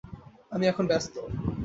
আমি এখন ব্যস্ত।